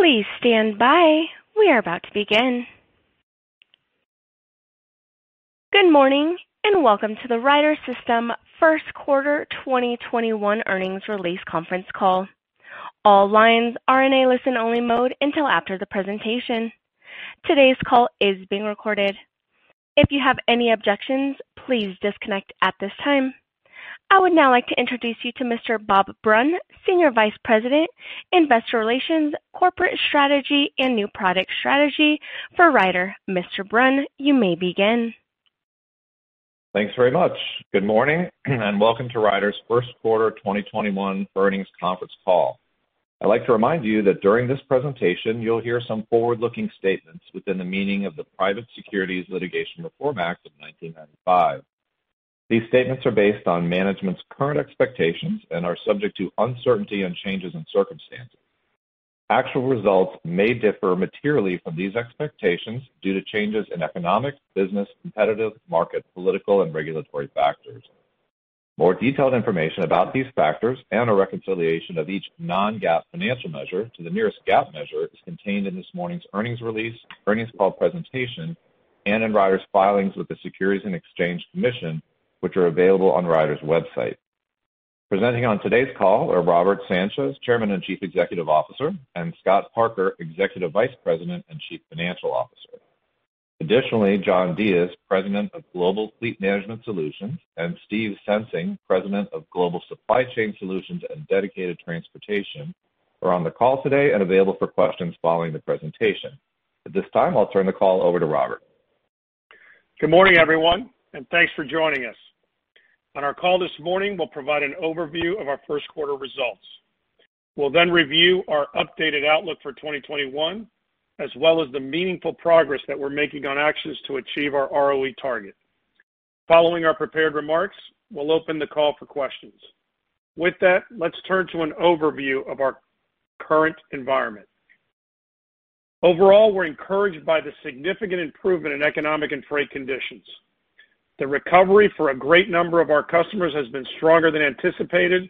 Good morning, and welcome to the Ryder System first quarter 2021 earnings release conference call. All lines are in a listen-only mode until after the presentation. Today's call is being recorded. If you have any objections, please disconnect at this time. I would now like to introduce you to Mr. Bob Brunn, Senior Vice President, Investor Relations, Corporate Strategy, and New Product Strategy for Ryder. Mr. Brunn, you may begin. Thanks very much. Good morning, and welcome to Ryder's first quarter 2021 earnings conference call. I'd like to remind you that during this presentation, you'll hear some forward-looking statements within the meaning of the Private Securities Litigation Reform Act of 1995. These statements are based on management's current expectations and are subject to uncertainty and changes in circumstances. Actual results may differ materially from these expectations due to changes in economic, business, competitive, market, political, and regulatory factors. More detailed information about these factors and a reconciliation of each non-GAAP financial measure to the nearest GAAP measure is contained in this morning's earnings release, earnings call presentation, and in Ryder's filings with the Securities and Exchange Commission, which are available on Ryder's website. Presenting on today's call are Robert Sanchez, Chairman and Chief Executive Officer, and Scott Parker, Executive Vice President and Chief Financial Officer. Additionally, John Diez, President of Global Fleet Management Solutions, and Steve Sensing, President of Global Supply Chain Solutions and Dedicated Transportation Solutions, are on the call today and available for questions following the presentation. At this time, I'll turn the call over to Robert. Good morning, everyone. Thanks for joining us. On our call this morning, we'll provide an overview of our first quarter results. We'll review our updated outlook for 2021, as well as the meaningful progress that we're making on actions to achieve our ROE target. Following our prepared remarks, we'll open the call for questions. With that, let's turn to an overview of our current environment. Overall, we're encouraged by the significant improvement in economic and freight conditions. The recovery for a great number of our customers has been stronger than anticipated,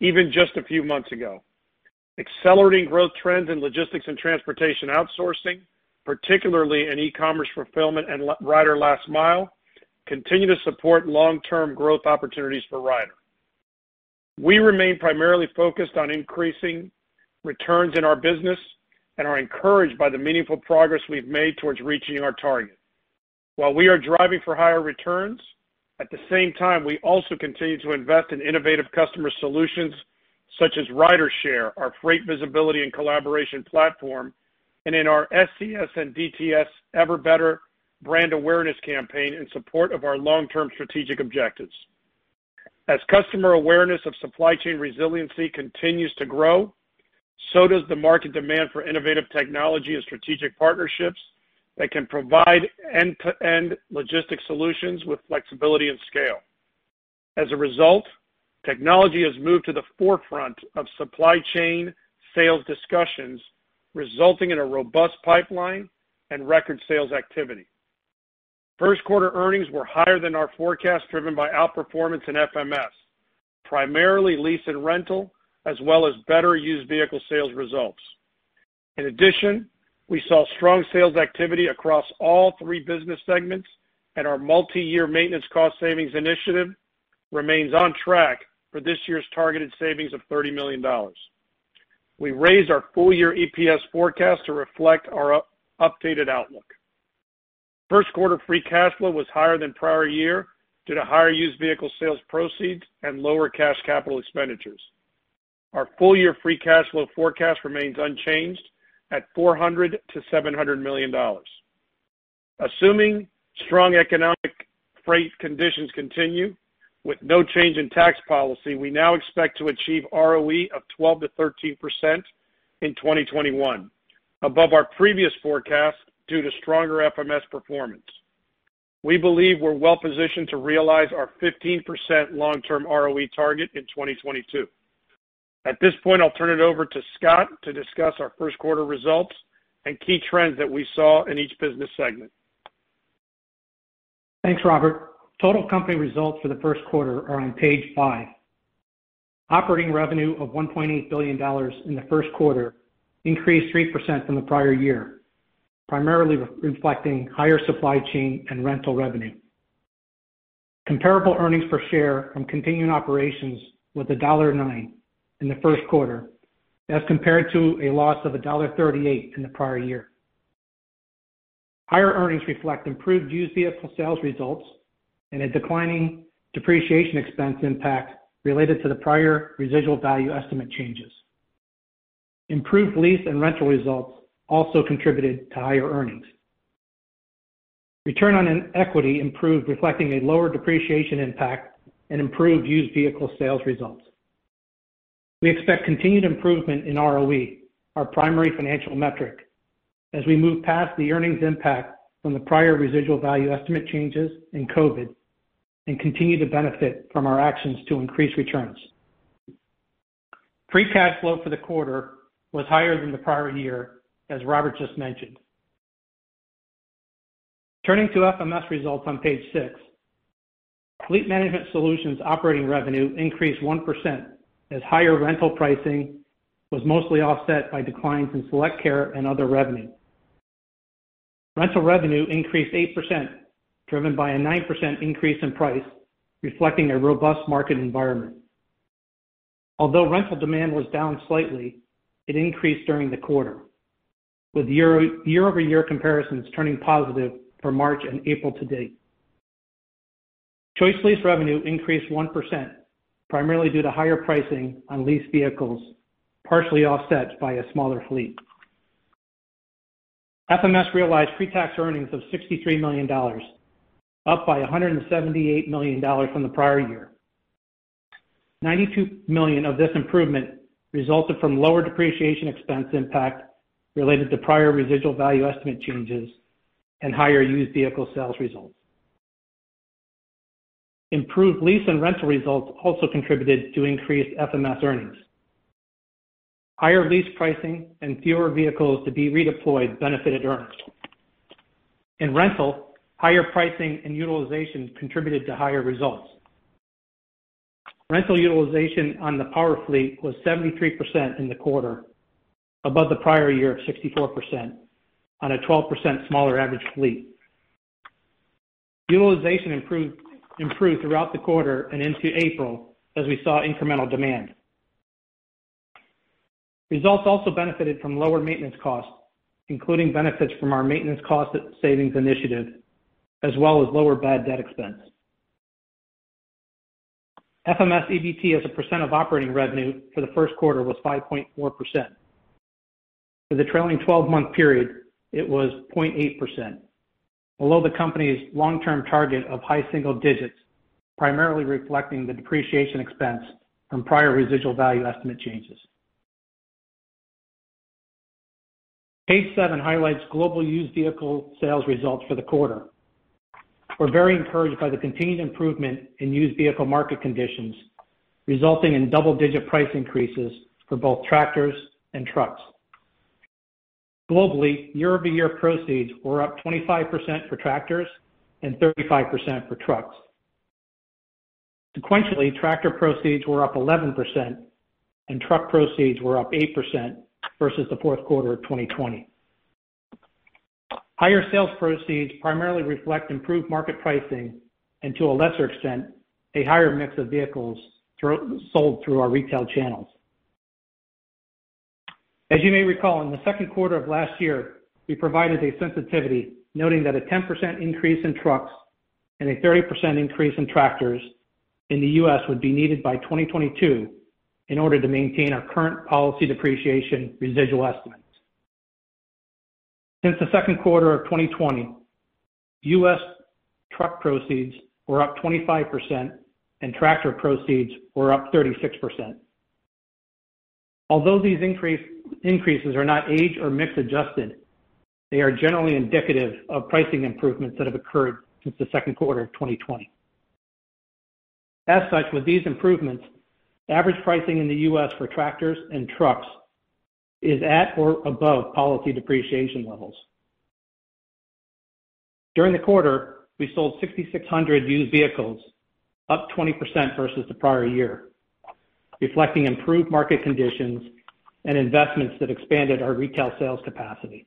even just a few months ago. Accelerating growth trends in logistics and transportation outsourcing, particularly in e-commerce fulfillment and Ryder Last Mile, continue to support long-term growth opportunities for Ryder. We remain primarily focused on increasing returns in our business and are encouraged by the meaningful progress we've made towards reaching our target. While we are driving for higher returns, at the same time, we also continue to invest in innovative customer solutions such as RyderShare, our freight visibility and collaboration platform, and in our SCS and DTS Ever Better brand awareness campaign in support of our long-term strategic objectives. As customer awareness of supply chain resiliency continues to grow, so does the market demand for innovative technology and strategic partnerships that can provide end-to-end logistics solutions with flexibility and scale. As a result, technology has moved to the forefront of supply chain sales discussions, resulting in a robust pipeline and record sales activity. First quarter earnings were higher than our forecast, driven by outperformance in FMS, primarily lease and rental, as well as better used vehicle sales results. In addition, we saw strong sales activity across all three business segments, and our multi-year maintenance cost savings initiative remains on track for this year's targeted savings of $30 million. We raised our full-year EPS forecast to reflect our updated outlook. First quarter free cash flow was higher than prior year due to higher used vehicle sales proceeds and lower cash capital expenditures. Our full-year free cash flow forecast remains unchanged at $400 million-$700 million. Assuming strong economic freight conditions continue with no change in tax policy, we now expect to achieve ROE of 12%-13% in 2021, above our previous forecast due to stronger FMS performance. We believe we're well-positioned to realize our 15% long-term ROE target in 2022. At this point, I'll turn it over to Scott to discuss our first quarter results and key trends that we saw in each business segment. Thanks, Robert. Total company results for the first quarter are on page five. Operating revenue of $1.8 billion in the first quarter increased 3% from the prior year, primarily reflecting higher Supply Chain Solutions and rental revenue. Comparable earnings per share from continuing operations were $1.09 in the first quarter, as compared to a loss of $1.38 in the prior year. Higher earnings reflect improved used vehicle sales results and a declining depreciation expense impact related to the prior residual value estimate changes. Improved lease and rental results also contributed to higher earnings. Return on equity improved, reflecting a lower depreciation impact and improved used vehicle sales results. We expect continued improvement in ROE, our primary financial metric, as we move past the earnings impact from the prior residual value estimate changes in COVID and continue to benefit from our actions to increase returns. Free cash flow for the quarter was higher than the prior year, as Robert just mentioned. Turning to FMS results on page six. Fleet Management Solutions operating revenue increased 1% as higher rental pricing was mostly offset by declines in SelectCare and other revenue. Rental revenue increased 8%, driven by a 9% increase in price, reflecting a robust market environment. Although rental demand was down slightly, it increased during the quarter, with year-over-year comparisons turning positive for March and April to date. ChoiceLease revenue increased 1%, primarily due to higher pricing on leased vehicles, partially offset by a smaller fleet. FMS realized pre-tax earnings of $63 million, up by $178 million from the prior year. $92 million of this improvement resulted from lower depreciation expense impact related to prior residual value estimate changes and higher used vehicle sales results. Improved lease and rental results also contributed to increased FMS earnings. Higher lease pricing and fewer vehicles to be redeployed benefited earnings. In rental, higher pricing and utilization contributed to higher results. Rental utilization on the power fleet was 73% in the quarter, above the prior year of 64% on a 12% smaller average fleet. Utilization improved throughout the quarter and into April as we saw incremental demand. Results also benefited from lower maintenance costs, including benefits from our maintenance cost savings initiative, as well as lower bad debt expense. FMS EBT as a percent of operating revenue for the first quarter was 5.4%. For the trailing 12-month period, it was 0.8%, below the company's long-term target of high single digits, primarily reflecting the depreciation expense from prior residual value estimate changes. Page seven highlights global used vehicle sales results for the quarter. We're very encouraged by the continued improvement in used vehicle market conditions, resulting in double-digit price increases for both tractors and trucks. Globally, year-over-year proceeds were up 25% for tractors and 35% for trucks. Sequentially, tractor proceeds were up 11% and truck proceeds were up 8% versus the fourth quarter of 2020. Higher sales proceeds primarily reflect improved market pricing and, to a lesser extent, a higher mix of vehicles sold through our retail channels. As you may recall, in the second quarter of last year, we provided a sensitivity noting that a 10% increase in trucks and a 30% increase in tractors in the U.S. would be needed by 2022 in order to maintain our current policy depreciation residual estimates. Since the second quarter of 2020, U.S. truck proceeds were up 25% and tractor proceeds were up 36%. Although these increases are not age or mix adjusted, they are generally indicative of pricing improvements that have occurred since the second quarter of 2020. As such, with these improvements, average pricing in the U.S. for tractors and trucks is at or above policy depreciation levels. During the quarter, we sold 6,600 used vehicles, up 20% versus the prior year, reflecting improved market conditions and investments that expanded our retail sales capacity.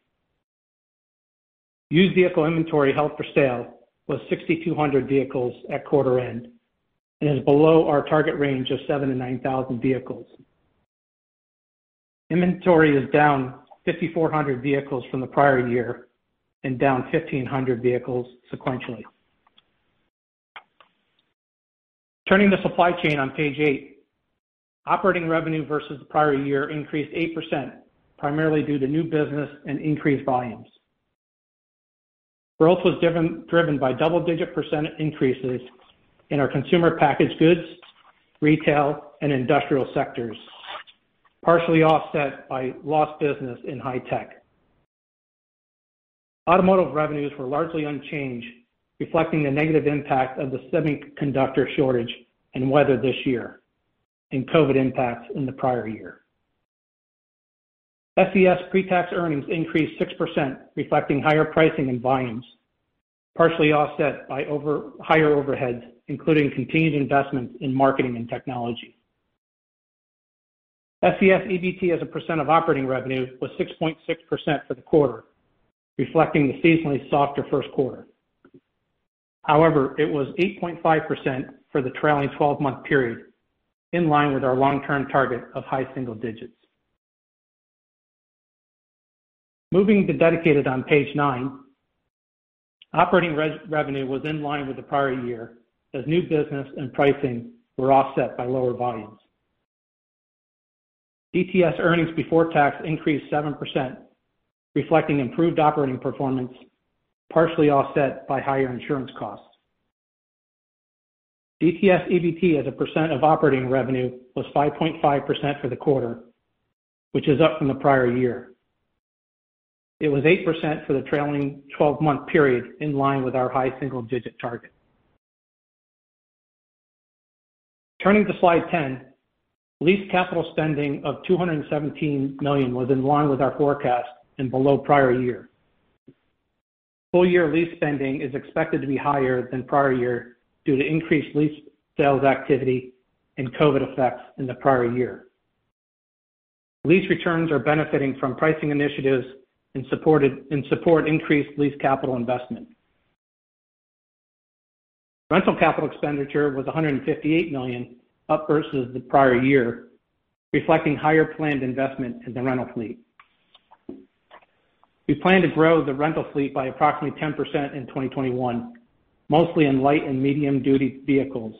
Used vehicle inventory held for sale was 6,200 vehicles at quarter end and is below our target range of 7,000-9,000 vehicles. Inventory is down 5,400 vehicles from the prior year and down 1,500 vehicles sequentially. Turning to Supply Chain Solutions on page eight, operating revenue versus the prior year increased 8%, primarily due to new business and increased volumes. Growth was driven by double-digit percent increases in our consumer packaged goods, retail, and industrial sectors, partially offset by lost business in high tech. Automotive revenues were largely unchanged, reflecting the negative impact of the semiconductor shortage and weather this year and COVID impacts in the prior year. SCS pre-tax earnings increased 6%, reflecting higher pricing and volumes, partially offset by higher overheads, including continued investments in marketing and technology. SCS EBT as a % of operating revenue was 6.6% for the quarter, reflecting the seasonally softer first quarter. It was 8.5% for the trailing 12-month period, in line with our long-term target of high single digits. Moving to Dedicated on page nine. Operating revenue was in line with the prior year as new business and pricing were offset by lower volumes. DTS earnings before tax increased 7%, reflecting improved operating performance, partially offset by higher insurance costs. DTS EBT as a percent of operating revenue was 5.5% for the quarter, which is up from the prior year. It was 8% for the trailing 12-month period, in line with our high single-digit target. Turning to slide 10, lease capital spending of $217 million was in line with our forecast and below prior year. Full year lease spending is expected to be higher than prior year due to increased lease sales activity and COVID effects in the prior year. Lease returns are benefiting from pricing initiatives and support increased lease capital investment. Rental capital expenditure was $158 million, up versus the prior year, reflecting higher planned investment in the rental fleet. We plan to grow the rental fleet by approximately 10% in 2021, mostly in light and medium-duty vehicles,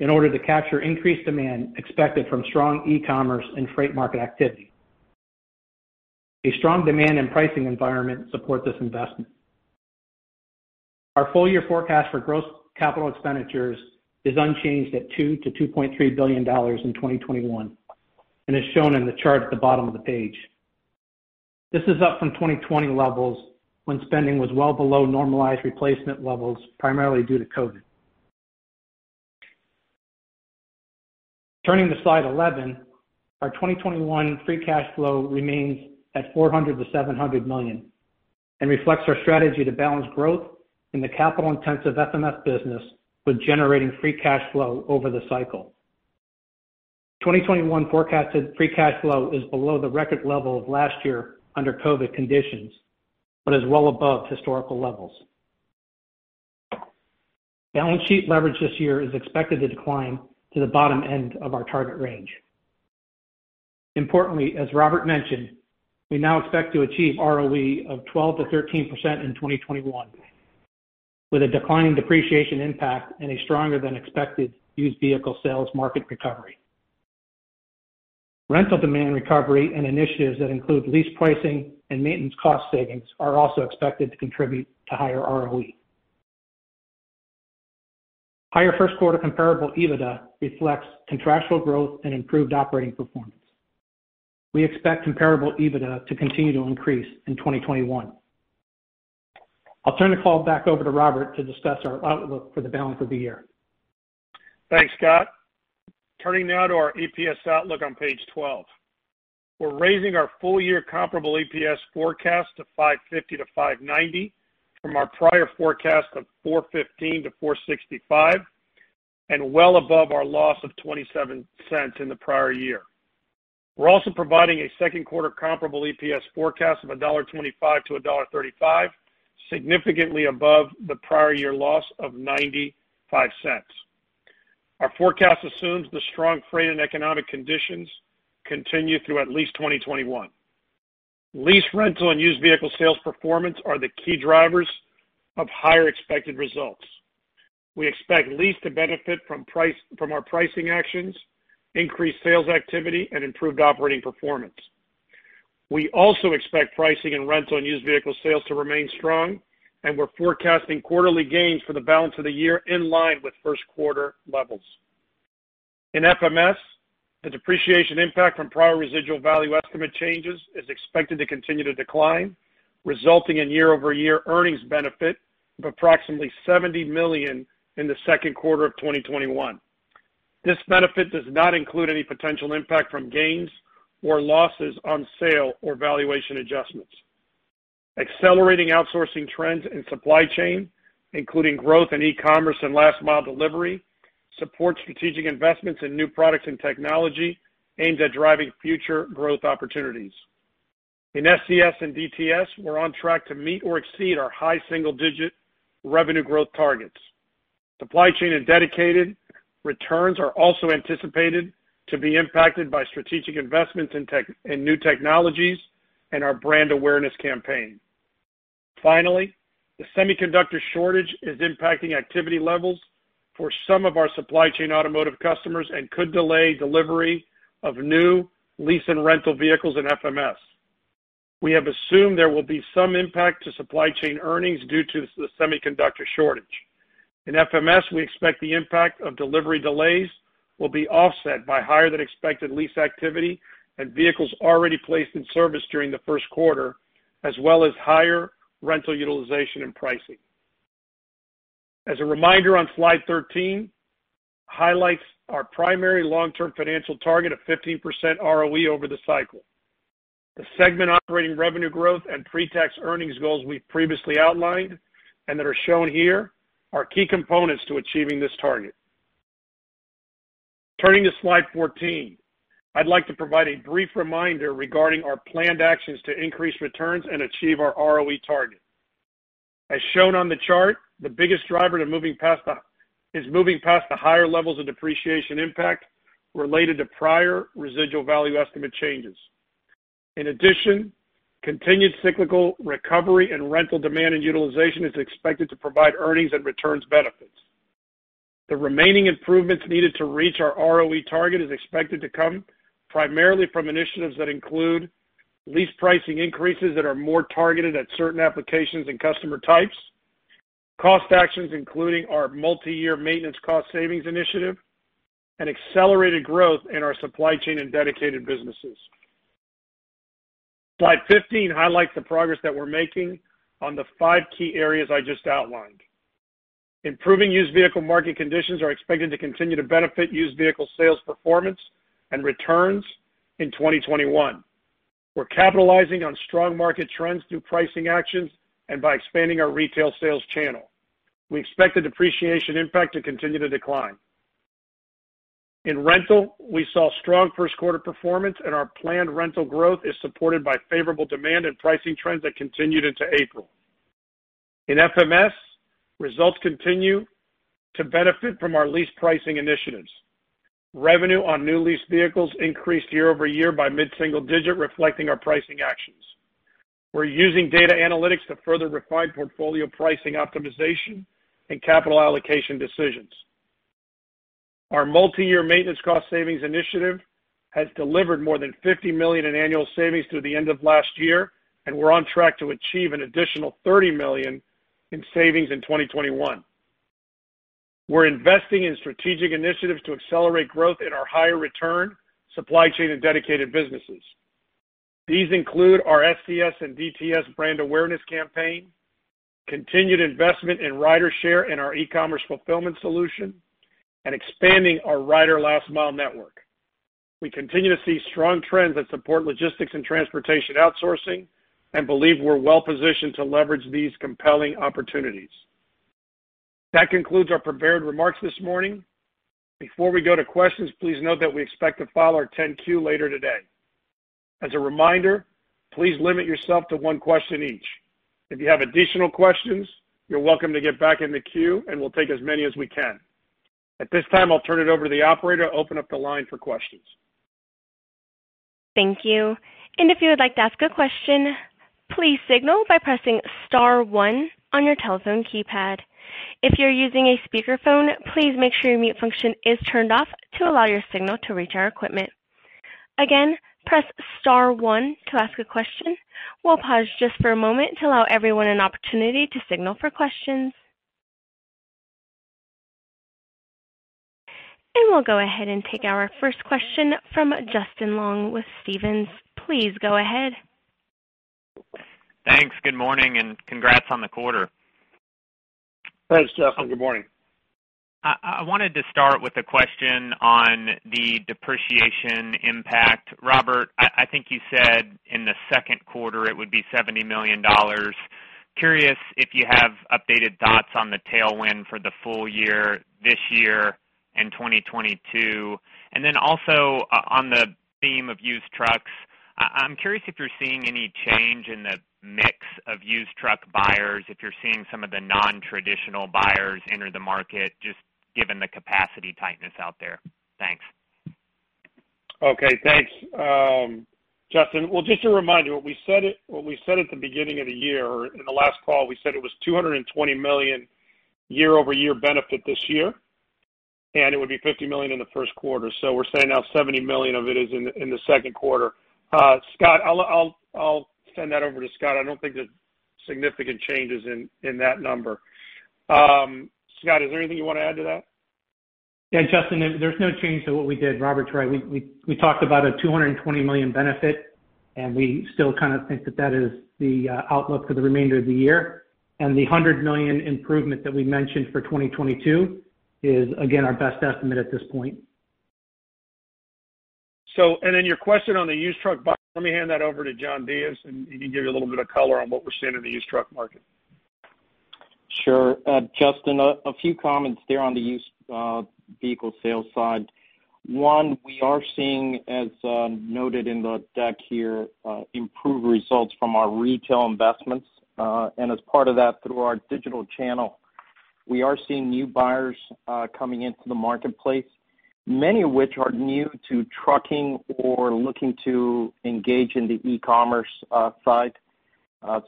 in order to capture increased demand expected from strong e-commerce and freight market activity. A strong demand and pricing environment support this investment. Our full year forecast for gross capital expenditures is unchanged at $2 billion-$2.3 billion in 2021, and is shown in the chart at the bottom of the page. This is up from 2020 levels, when spending was well below normalized replacement levels, primarily due to COVID. Turning to slide 11, our 2021 free cash flow remains at $400 million-$700 million and reflects our strategy to balance growth in the capital-intensive FMS business with generating free cash flow over the cycle. 2021 forecasted free cash flow is below the record level of last year under COVID conditions, but is well above historical levels. Balance sheet leverage this year is expected to decline to the bottom end of our target range. Importantly, as Robert Sanchez mentioned, we now expect to achieve ROE of 12%-13% in 2021, with a decline in depreciation impact and a stronger than expected used vehicle sales market recovery. Rental demand recovery and initiatives that include lease pricing and maintenance cost savings are also expected to contribute to higher ROE. Higher first quarter comparable EBITDA reflects contractual growth and improved operating performance. We expect comparable EBITDA to continue to increase in 2021. I'll turn the call back over to Robert Sanchez to discuss our outlook for the balance of the year. Thanks, Scott. Turning now to our EPS outlook on page 12. We're raising our full year comparable EPS forecast to $5.50-$5.90 from our prior forecast of $4.15-$4.65, and well above our loss of $0.27 in the prior year. We're also providing a second quarter comparable EPS forecast of $1.25-$1.35, significantly above the prior year loss of $0.95. Our forecast assumes the strong freight and economic conditions continue through at least 2021. Lease, rental, and used vehicle sales performance are the key drivers of higher expected results. We expect lease to benefit from our pricing actions, increased sales activity, and improved operating performance. We also expect pricing in rental and used vehicle sales to remain strong, and we're forecasting quarterly gains for the balance of the year in line with first quarter levels. In FMS, the depreciation impact from prior residual value estimate changes is expected to continue to decline, resulting in year-over-year earnings benefit of approximately $70 million in the second quarter of 2021. This benefit does not include any potential impact from gains or losses on sale or valuation adjustments. Accelerating outsourcing trends in supply chain, including growth in e-commerce and last mile delivery, support strategic investments in new products and technology aimed at driving future growth opportunities. In SCS and DTS, we're on track to meet or exceed our high single-digit Supply Chain and Dedicated returns are also anticipated to be impacted by strategic investments in new technologies and our brand awareness campaign. Finally, the semiconductor shortage is impacting activity levels for some of our supply chain automotive customers and could delay delivery of new lease and rental vehicles in FMS. We have assumed there will be some impact to supply chain earnings due to the semiconductor shortage. In FMS, we expect the impact of delivery delays will be offset by higher than expected lease activity and vehicles already placed in service during the first quarter, as well as higher rental utilization and pricing. As a reminder on slide 13, highlights our primary long-term financial target of 15% ROE over the cycle. The segment operating revenue growth and pre-tax earnings goals we've previously outlined, and that are shown here, are key components to achieving this target. Turning to slide 14, I'd like to provide a brief reminder regarding our planned actions to increase returns and achieve our ROE target. As shown on the chart, the biggest driver is moving past the higher levels of depreciation impact related to prior residual value estimate changes. In addition, continued cyclical recovery in rental demand and utilization is expected to provide earnings and returns benefits. The remaining improvements needed to reach our ROE target is expected to come primarily from initiatives that include lease pricing increases that are more targeted at certain applications and customer types, cost actions including our multi-year maintenance cost savings initiative, and accelerated growth in our Supply Chain and Dedicated businesses. Slide 15 highlights the progress that we're making on the five key areas I just outlined. Improving used vehicle market conditions are expected to continue to benefit used vehicle sales performance and returns in 2021. We're capitalizing on strong market trends through pricing actions and by expanding our retail sales channel. We expect the depreciation impact to continue to decline. In rental, we saw strong first quarter performance, and our planned rental growth is supported by favorable demand and pricing trends that continued into April. In FMS, results continue to benefit from our lease pricing initiatives. Revenue on new lease vehicles increased year-over-year by mid-single digit, reflecting our pricing actions. We're using data analytics to further refine portfolio pricing optimization and capital allocation decisions. Our multi-year maintenance cost savings initiative has delivered more than $50 million in annual savings through the end of last year, and we're on track to achieve an additional $30 million in savings in 2021. We're investing in strategic initiatives to accelerate growth in our higher return Supply Chain and Dedicated businesses. These include our SCS and DTS brand awareness campaign, continued investment in RyderShare in our e-commerce fulfillment solution, and expanding our Ryder Last Mile network. We continue to see strong trends that support logistics and transportation outsourcing and believe we're well-positioned to leverage these compelling opportunities. That concludes our prepared remarks this morning. Before we go to questions, please note that we expect to file our 10-Q later today. As a reminder, please limit yourself to one question each. If you have additional questions, you're welcome to get back in the queue and we'll take as many as we can. At this time, I'll turn it over to the operator to open up the line for questions. Thank you. If you would like to ask a question, please signal by pressing star one on your telephone keypad. If you're using a speakerphone, please make sure your mute function is turned off to allow your signal to reach our equipment. Again, press star one to ask a question. We'll pause just for a moment to allow everyone an opportunity to signal for questions. We'll go ahead and take our first question from Justin Long with Stephens. Please go ahead. Thanks. Good morning, congrats on the quarter. Thanks, Justin. Good morning. I wanted to start with a question on the depreciation impact. Robert, I think you said in the second quarter it would be $70 million. Curious if you have updated thoughts on the tailwind for the full year this year and 2022. Also on the theme of used trucks, I'm curious if you're seeing any change in the mix of used truck buyers, if you're seeing some of the non-traditional buyers enter the market, just given the capacity tightness out there. Thanks. Okay. Thanks, Justin. Just a reminder, what we said at the beginning of the year, or in the last call, we said it was $220 million year-over-year benefit this year, and it would be $50 million in the first quarter. We're saying now $70 million of it is in the second quarter. I'll send that over to Scott. I don't think there's significant changes in that number. Scott, is there anything you want to add to that? Yeah, Justin, there's no change to what we did. Robert's right. We talked about a $220 million benefit, and we still kind of think that is the outlook for the remainder of the year. The $100 million improvement that we mentioned for 2022 is, again, our best estimate at this point. Your question on the used truck buyer, let me hand that over to John Diez, and he can give you a little bit of color on what we're seeing in the used truck market. Sure. Justin, a few comments there on the used vehicle sales side. One, we are seeing, as noted in the deck here, improved results from our retail investments. As part of that, through our digital channel, we are seeing new buyers coming into the marketplace, many of which are new to trucking or looking to engage in the e-commerce side.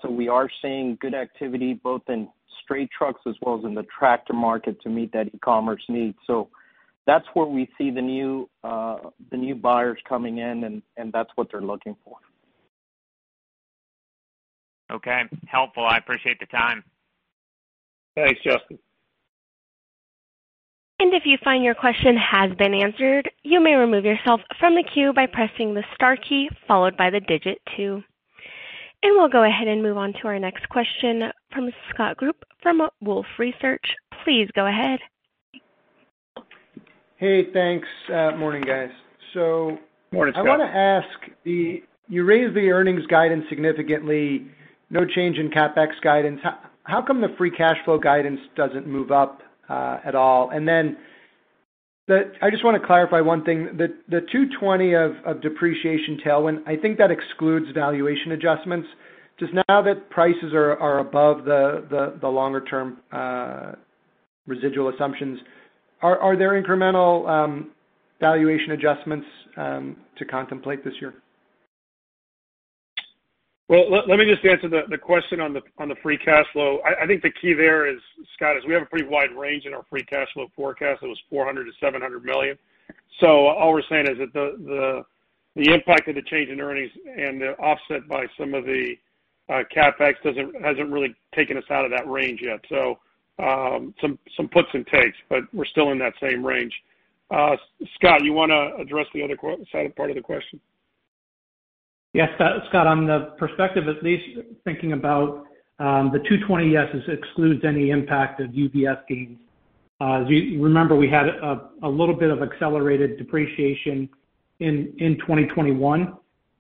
We are seeing good activity both in straight trucks as well as in the tractor market to meet that e-commerce need. That's where we see the new buyers coming in, and that's what they're looking for. Okay. Helpful. I appreciate the time. Thanks, Justin. We'll go ahead and move on to our next question from Scott Group from Wolfe Research. Please go ahead. Hey, thanks. Morning, guys. Morning, Scott. I want to ask, you raised the earnings guidance significantly, no change in CapEx guidance. How come the free cash flow guidance doesn't move up at all? I just want to clarify one thing. The 220 of depreciation tailwind, I think that excludes valuation adjustments. Just now that prices are above the longer-term residual assumptions, are there incremental valuation adjustments to contemplate this year? Well, let me just answer the question on the free cash flow. I think the key there, Scott, is we have a pretty wide range in our free cash flow forecast. It was $400 million-$700 million. All we're saying is that the impact of the change in earnings and the offset by some of the CapEx hasn't really taken us out of that range yet. Some puts and takes, we're still in that same range. Scott, you want to address the other side part of the question? Yes. Scott, on the perspective, at least thinking about the 220 excludes any impact of UVS gains. As you remember, we had a little bit of accelerated depreciation in 2021.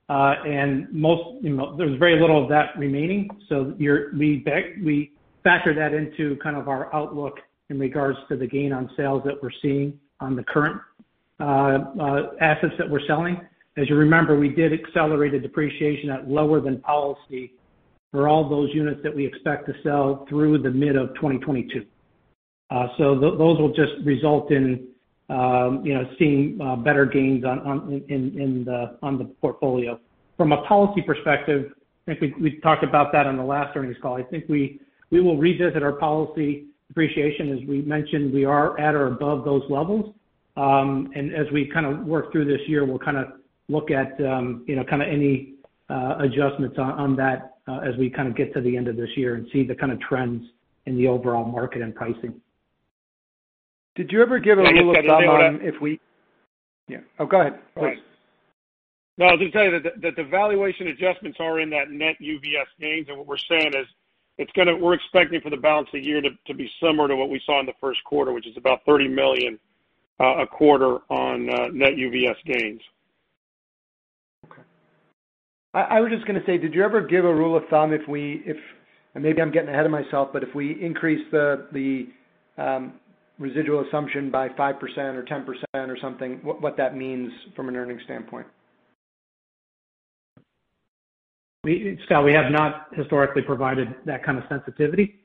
There's very little of that remaining. We factor that into kind of our outlook in regards to the gain on sales that we're seeing on the current assets that we're selling. As you remember, we did accelerated depreciation at lower than policy for all those units that we expect to sell through the mid of 2022. Those will just result in seeing better gains on the portfolio. From a policy perspective, I think we talked about that on the last earnings call. I think we will revisit our policy depreciation. As we mentioned, we are at or above those levels. As we kind of work through this year, we'll look at any adjustments on that as we get to the end of this year and see the kind of trends in the overall market and pricing. Did you ever give a rule of thumb on if. Yeah. Oh, go ahead. Sorry. No, I'll just tell you that the valuation adjustments are in that net UVS gains, and what we're saying is we're expecting for the balance of the year to be similar to what we saw in the first quarter, which is about $30 million a quarter on net UVS gains. Okay. I was just going to say, did you ever give a rule of thumb, and maybe I'm getting ahead of myself, but if we increase the residual assumption by 5% or 10% or something, what that means from an earnings standpoint? Scott, we have not historically provided that kind of sensitivity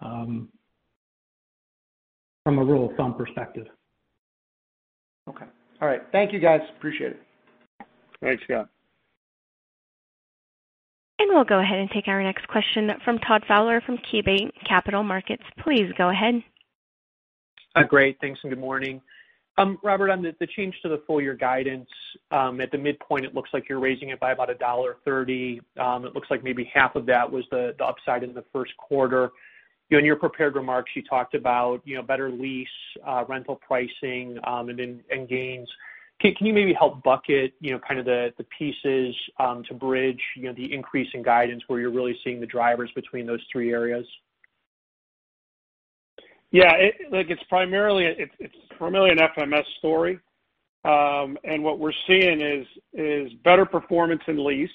from a rule of thumb perspective. Okay. All right. Thank you guys. Appreciate it. Thanks, Scott. We'll go ahead and take our next question from Todd Fowler from KeyBanc Capital Markets. Please go ahead. Great. Thanks, and good morning. Robert, on the change to the full-year guidance, at the midpoint, it looks like you're raising it by about $1.30. It looks like maybe half of that was the upside in the first quarter. In your prepared remarks, you talked about better lease rental pricing and gains. Can you maybe help bucket the pieces to bridge the increase in guidance where you're really seeing the drivers between those three areas? It's primarily an FMS story. What we're seeing is better performance in lease,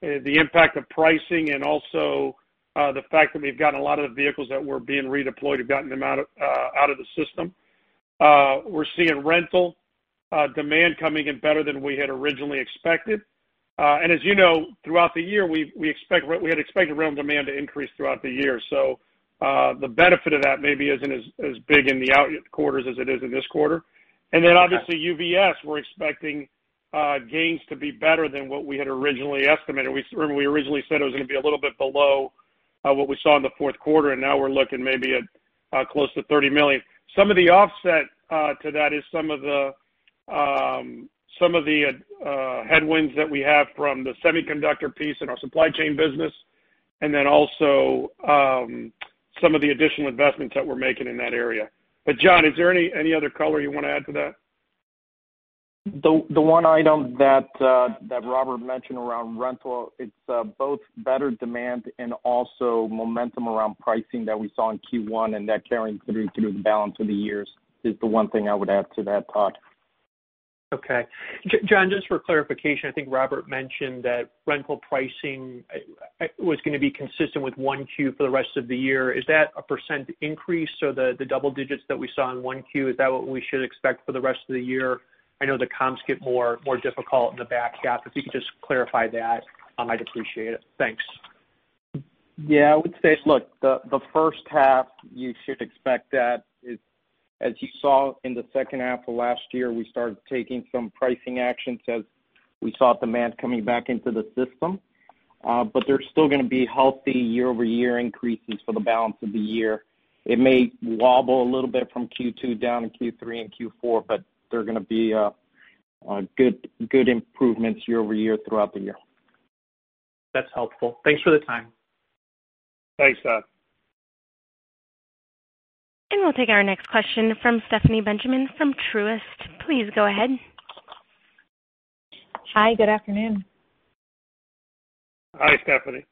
the impact of pricing, and also the fact that we've gotten a lot of the vehicles that were being redeployed, have gotten them out of the system. We're seeing rental demand coming in better than we had originally expected. As you know, throughout the year, we had expected rental demand to increase throughout the year. The benefit of that maybe isn't as big in the out quarters as it is in this quarter. Okay. Then obviously UVS, we're expecting gains to be better than what we had originally estimated. Remember we originally said it was going to be a little bit below what we saw in the fourth quarter, and now we're looking maybe at close to $30 million. Some of the offset to that is some of the headwinds that we have from the semiconductor piece in our supply chain business, and then also some of the additional investments that we're making in that area. John, is there any other color you want to add to that? The one item that Robert mentioned around rental, it's both better demand and also momentum around pricing that we saw in Q1 and that carrying through the balance of the years is the one thing I would add to that, Todd. Okay. John, just for clarification, I think Robert mentioned that rental pricing was going to be consistent with Q1 for the rest of the year. Is that a % increase? The double digits that we saw in Q1, is that what we should expect for the rest of the year? I know the comps get more difficult in the back half. If you could just clarify that, I'd appreciate it. Thanks. Yeah, I would say, look, the first half you should expect that. As you saw in the second half of last year, we started taking some pricing actions as we saw demand coming back into the system. There's still going to be healthy year-over-year increases for the balance of the year. It may wobble a little bit from Q2 down in Q3 and Q4. They're going to be good improvements year-over-year throughout the year. That's helpful. Thanks for the time. Thanks, Todd. We'll take our next question from Stephanie Benjamin from Truist. Please go ahead. Hi. Good afternoon. Hi, Stephanie.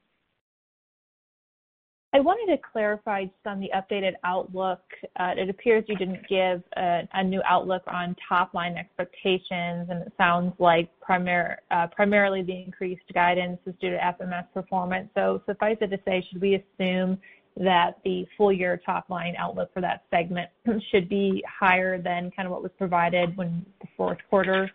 I wanted to clarify just on the updated outlook. It appears you didn't give a new outlook on top-line expectations, and it sounds like primarily the increased guidance is due to FMS performance. Suffice it to say, should we assume that the full-year top-line outlook for that segment should be higher than kind of what was provided when the fourth quarter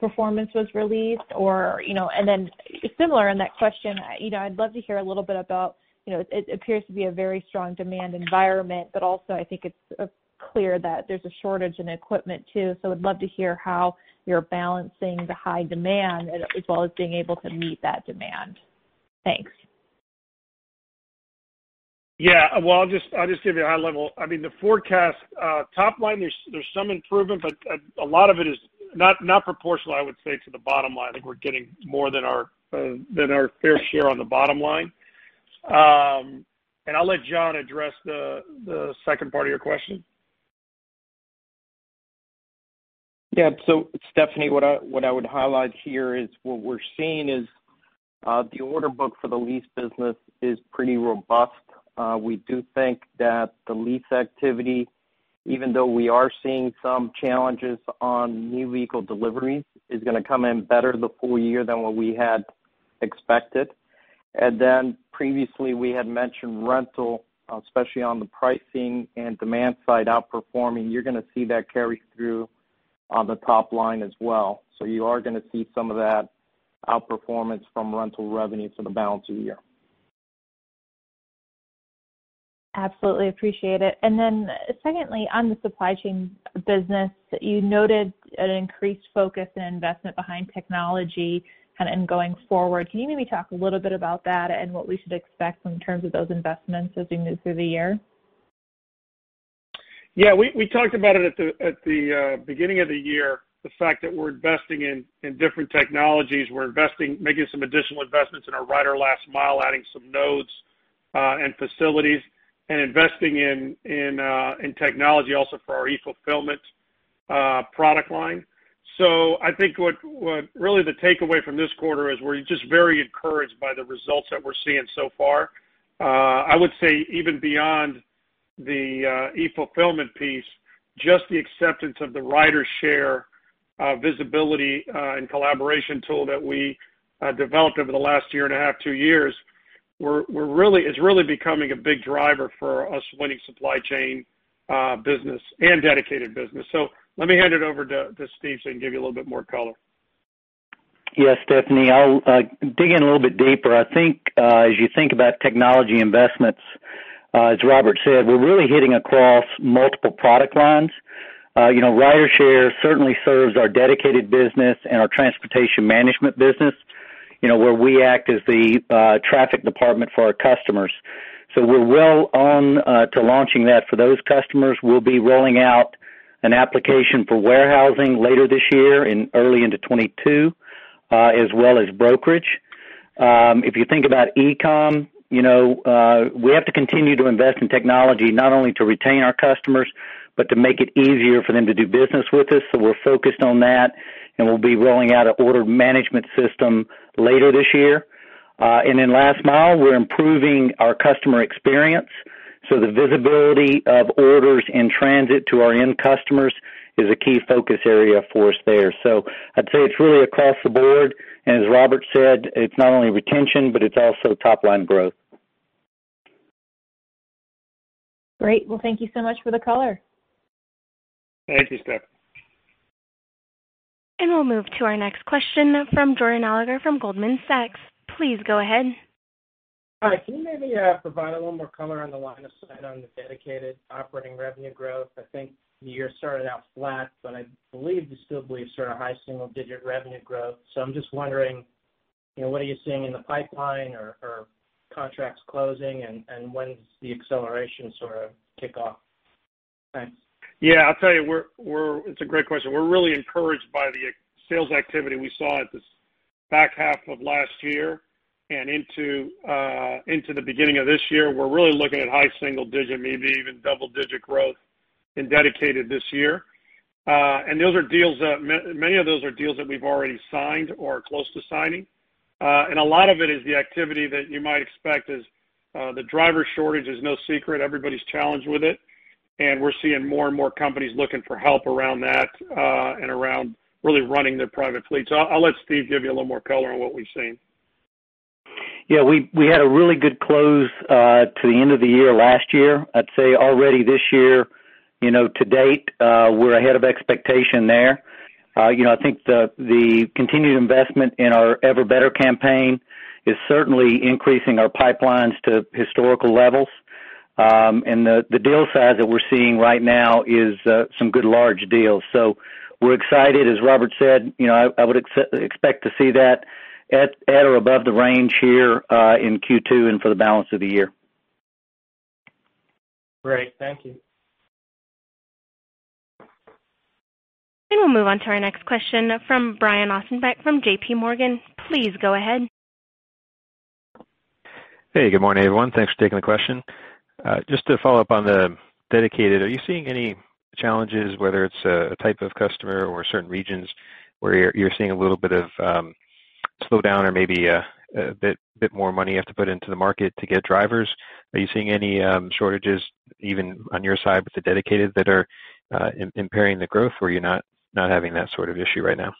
performance was released? Similar on that question, I'd love to hear a little bit about, it appears to be a very strong demand environment, but also I think it's clear that there's a shortage in equipment too. I'd love to hear how you're balancing the high demand as well as being able to meet that demand. Thanks. Yeah. Well, I'll just give you a high level. The forecast top line, there's some improvement, but a lot of it is not proportional, I would say, to the bottom line. I'll let John address the second part of your question. Stephanie, what I would highlight here is what we're seeing is the order book for the lease business is pretty robust. We do think that the lease activity, even though we are seeing some challenges on new vehicle deliveries, is going to come in better the full year than what we had expected. Previously we had mentioned rental, especially on the pricing and demand side outperforming. You're going to see that carry through on the top line as well. You are going to see some of that outperformance from rental revenue for the balance of the year. Absolutely. Appreciate it. Secondly, on the Supply Chain Solutions business, you noted an increased focus and investment behind technology and going forward. Can you maybe talk a little bit about that and what we should expect in terms of those investments as we move through the year? We talked about it at the beginning of the year, the fact that we're investing in different technologies. We're making some additional investments in our Ryder Last Mile, adding some nodes and facilities, and investing in technology also for our e-fulfillment product line. I think really the takeaway from this quarter is we're just very encouraged by the results that we're seeing so far. I would say even beyond the e-fulfillment piece, just the acceptance of the RyderShare visibility and collaboration tool that we developed over the last one and a half, two years, it's really becoming a big driver for us winning supply chain business and dedicated business. Let me hand it over to Steve so he can give you a little bit more color. Yes, Stephanie, I'll dig in a little bit deeper. I think as you think about technology investments, as Robert said, we're really hitting across multiple product lines. RyderShare certainly serves our dedicated business and our transportation management business, where we act as the traffic department for our customers. We're well on to launching that for those customers. We'll be rolling out an application for warehousing later this year and early into 2022, as well as brokerage. If you think about e-com, we have to continue to invest in technology not only to retain our customers, but to make it easier for them to do business with us. We're focused on that, and we'll be rolling out an order management system later this year. Last Mile, we're improving our customer experience. The visibility of orders in transit to our end customers is a key focus area for us there. I'd say it's really across the board, and as Robert said, it's not only retention, but it's also top-line growth. Great. Well, thank you so much for the color. Thank you, Steph. We'll move to our next question from Jordan Alliger from Goldman Sachs. Please go ahead. Hi. Can you maybe provide a little more color on the line of sight on the Dedicated operating revenue growth? I think the year started out flat, but I believe you still believe sort of high single-digit revenue growth. I'm just wondering, what are you seeing in the pipeline or contracts closing, and when does the acceleration sort of kick off? Thanks. Yeah, I'll tell you, it's a great question. We're really encouraged by the sales activity we saw at the back half of last year and into the beginning of this year. We're really looking at high single-digit, maybe even double-digit growth in Dedicated this year. Many of those are deals that we've already signed or are close to signing. A lot of it is the activity that you might expect is the driver shortage is no secret. Everybody's challenged with it, and we're seeing more and more companies looking for help around that, and around really running their private fleet. I'll let Steve give you a little more color on what we've seen. Yeah, we had a really good close to the end of the year last year. I'd say already this year, to date, we're ahead of expectation there. I think the continued investment in our Ever Better campaign is certainly increasing our pipelines to historical levels. The deal size that we're seeing right now is some good large deals. We're excited. As Robert said, I would expect to see that at or above the range here in Q2 and for the balance of the year. Great. Thank you. We'll move on to our next question from Brian Ossenbeck from JPMorgan. Please go ahead. Hey, good morning, everyone. Thanks for taking the question. Just to follow up on the dedicated, are you seeing any challenges, whether it's a type of customer or certain regions where you're seeing a little bit of slowdown or maybe a bit more money you have to put into the market to get drivers? Are you seeing any shortages even on your side with the dedicated that are impairing the growth, or are you not having that sort of issue right now?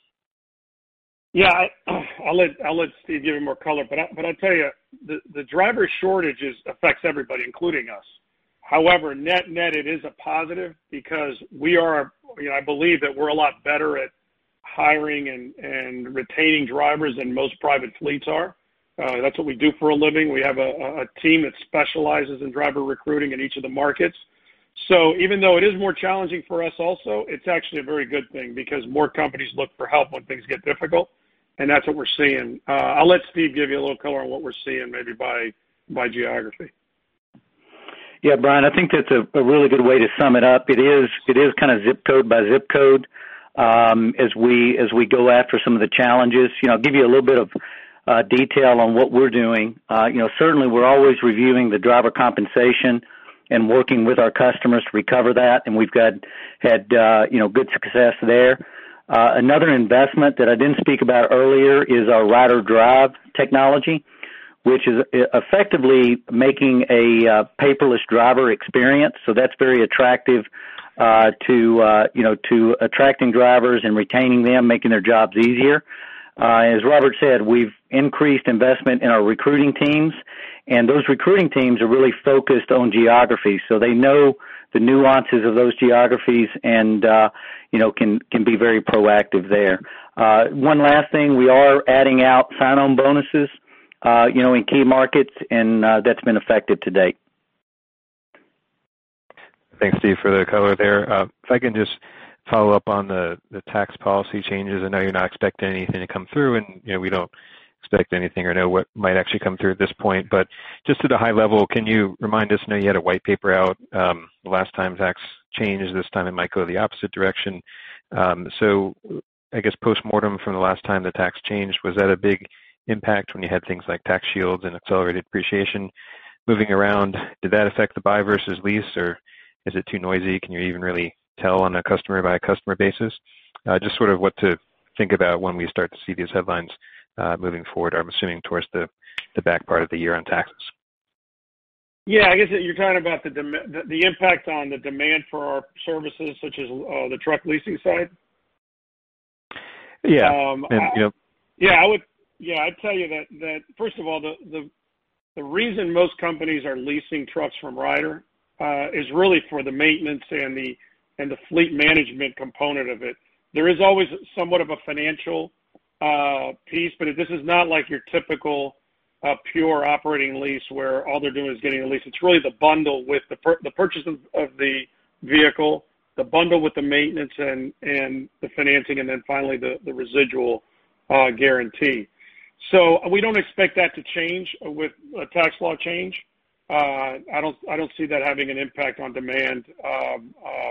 Yeah. I'll let Steve give you more color, but I'll tell you, the driver shortages affects everybody, including us. However, net-net it is a positive because I believe that we're a lot better at hiring and retaining drivers than most private fleets are. That's what we do for a living. We have a team that specializes in driver recruiting in each of the markets. Even though it is more challenging for us also, it's actually a very good thing because more companies look for help when things get difficult, and that's what we're seeing. I'll let Steve give you a little color on what we're seeing maybe by geography. Brian, I think that's a really good way to sum it up. It is kind of ZIP code by ZIP code, as we go after some of the challenges. I'll give you a little bit of detail on what we're doing. Certainly, we're always reviewing the driver compensation and working with our customers to recover that, and we've had good success there. Another investment that I didn't speak about earlier is our RyderDrive technology, which is effectively making a paperless driver experience. That's very attractive to attracting drivers and retaining them, making their jobs easier. As Robert said, we've increased investment in our recruiting teams, and those recruiting teams are really focused on geography, so they know the nuances of those geographies and can be very proactive there. One last thing, we are adding out sign-on bonuses in key markets, and that's been effective to date. Thanks, Steve, for the color there. If I can just follow up on the tax policy changes. I know you're not expecting anything to come through, and we don't expect anything or know what might actually come through at this point. Just at a high level, can you remind us, I know you had a white paper out the last time tax changed, this time it might go the opposite direction. I guess postmortem from the last time the tax changed, was that a big impact when you had things like tax shields and accelerated depreciation moving around? Did that affect the buy versus lease, or is it too noisy? Can you even really tell on a customer-by-customer basis? Just sort of what to think about when we start to see these headlines moving forward, I'm assuming towards the back part of the year on taxes. Yeah, I guess you're talking about the impact on the demand for our services, such as the truck leasing side? Yeah. Yeah, I would tell you that, first of all, the reason most companies are leasing trucks from Ryder is really for the maintenance and the fleet management component of it. There is always somewhat of a financial piece, this is not like your typical pure operating lease where all they're doing is getting a lease. It's really the bundle with the purchase of the vehicle, the bundle with the maintenance and the financing, and then finally, the residual guarantee. We don't expect that to change with a tax law change. I don't see that having an impact on demand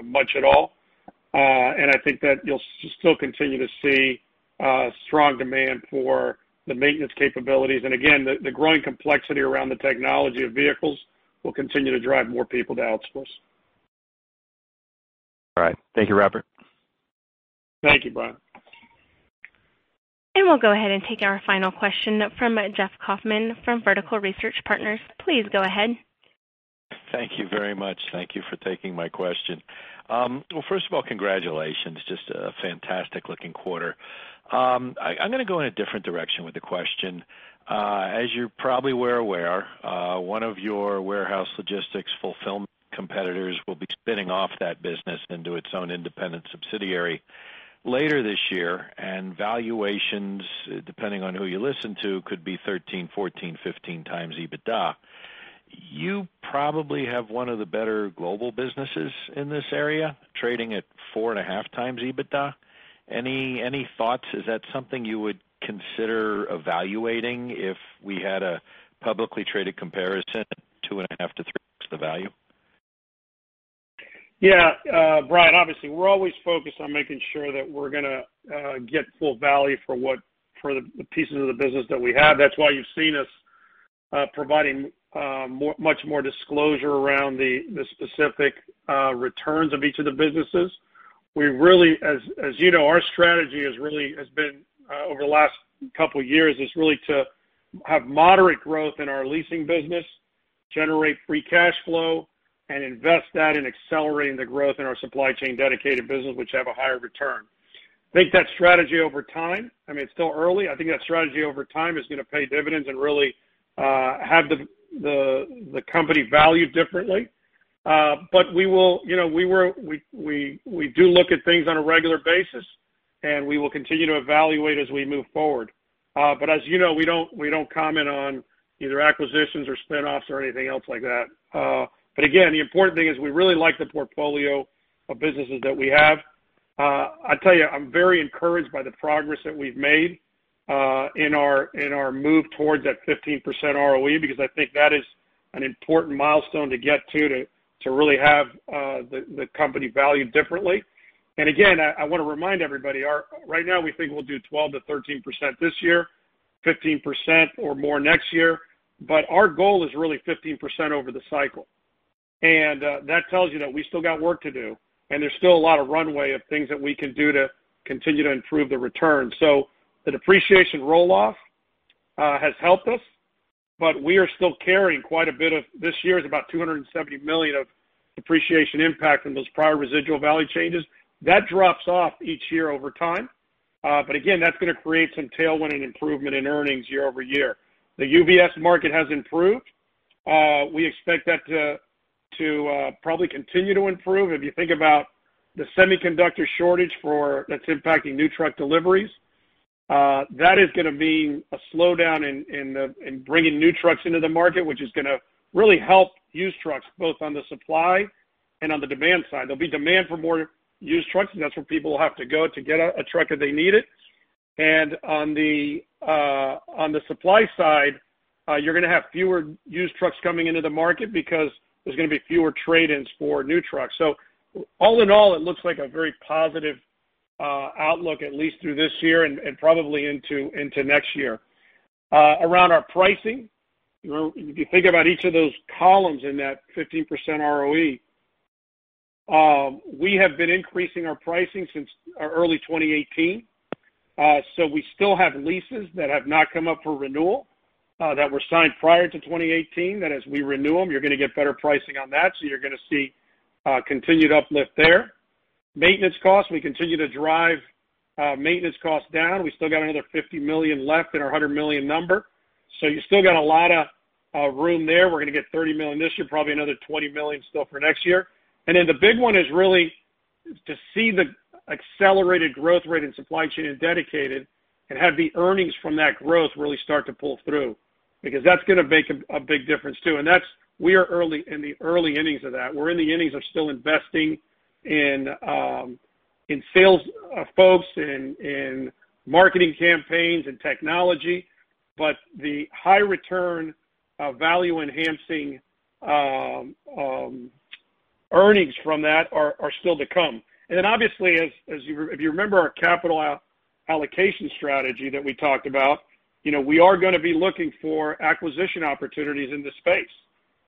much at all. I think that you'll still continue to see strong demand for the maintenance capabilities. Again, the growing complexity around the technology of vehicles will continue to drive more people to outsource. All right. Thank you, Robert. Thank you, Brian. We'll go ahead and take our final question from Jeff Kauffman from Vertical Research Partners. Please go ahead. Thank you very much. Thank you for taking my question. Well, first of all, congratulations. Just a fantastic-looking quarter. I'm going to go in a different direction with the question. As you probably were aware, one of your warehouse logistics fulfillment competitors will be spinning off that business into its own independent subsidiary later this year, and valuations, depending on who you listen to, could be 13x, 14x, 15x EBITDA. You probably have one of the better global businesses in this area, trading at 4.5x EBITDA. Any thoughts? Is that something you would consider evaluating if we had a publicly traded comparison at 2.5x-3x the value? Yeah. Brian, obviously, we're always focused on making sure that we're going to get full value for the pieces of the business that we have. That's why you've seen us providing much more disclosure around the specific returns of each of the businesses. As you know, our strategy has been, over the last couple of years, is really to have moderate growth in our leasing business, generate free cash flow, and invest that in accelerating the Supply Chain and Dedicated businesses, which have a higher return. I think that strategy over time, I mean, it's still early. I think that strategy over time is going to pay dividends and really have the company valued differently. We do look at things on a regular basis, and we will continue to evaluate as we move forward. As you know, we don't comment on either acquisitions or spin-offs or anything else like that. Again, the important thing is we really like the portfolio of businesses that we have. I tell you, I'm very encouraged by the progress that we've made in our move towards that 15% ROE because I think that is an important milestone to get to really have the company valued differently. Again, I want to remind everybody, right now, we think we'll do 12%-13% this year, 15% or more next year. Our goal is really 15% over the cycle. That tells you that we still got work to do, and there's still a lot of runway of things that we can do to continue to improve the return. The depreciation roll-off has helped us, but we are still carrying quite a bit of, this year is about $270 million of depreciation impact from those prior residual value changes. That drops off each year over time. Again, that's going to create some tailwind and improvement in earnings year-over-year. The UVS market has improved. We expect that to probably continue to improve. If you think about the semiconductor shortage that's impacting new truck deliveries, that is going to mean a slowdown in bringing new trucks into the market, which is going to really help used trucks, both on the supply and on the demand side. There'll be demand for more used trucks, and that's where people will have to go to get a truck if they need it. On the supply side, you're going to have fewer used trucks coming into the market because there's going to be fewer trade-ins for new trucks. All in all, it looks like a very positive outlook, at least through this year and probably into next year. Around our pricing, if you think about each of those columns in that 15% ROE, we have been increasing our pricing since early 2018. We still have leases that have not come up for renewal that were signed prior to 2018, that as we renew them, you're going to get better pricing on that. You're going to see continued uplift there. Maintenance costs, we continue to drive maintenance costs down. We still got another $50 million left in our $100 million number. You still got a lot of room there. We're going to get $30 million this year, probably another $20 million still for next year. The big one is really to see the accelerated growth rate in Supply Chain and Dedicated and have the earnings from that growth really start to pull through, because that's going to make a big difference, too. We are in the early innings of that. We're in the innings of still investing in sales folks, in marketing campaigns and technology. The high return of value-enhancing earnings from that are still to come. Obviously, if you remember our capital allocation strategy that we talked about, we are going to be looking for acquisition opportunities in this space.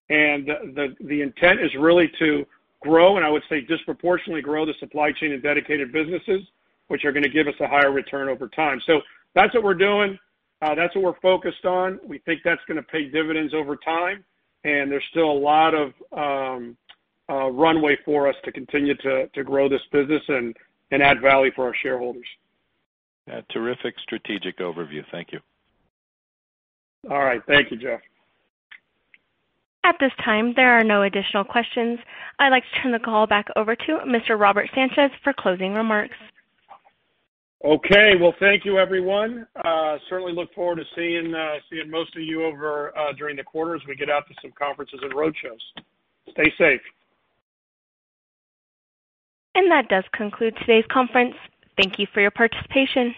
The intent is really to grow, and I would say disproportionately grow the Supply Chain and Dedicated businesses, which are going to give us a higher return over time. That's what we're doing. That's what we're focused on. We think that's going to pay dividends over time, and there's still a lot of runway for us to continue to grow this business and add value for our shareholders. Yeah, terrific strategic overview. Thank you. All right. Thank you, Jeff. At this time, there are no additional questions. I'd like to turn the call back over to Mr. Robert E. Sanchez for closing remarks. Well, thank you, everyone. Certainly look forward to seeing most of you over during the quarter as we get out to some conferences and road shows. Stay safe. That does conclude today's conference. Thank you for your participation.